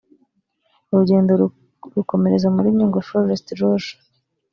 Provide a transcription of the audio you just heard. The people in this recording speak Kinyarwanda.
urugendo rukomereza muri Nyungwe Forest Loge